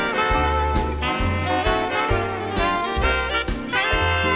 สวัสดีครับสวัสดีครับ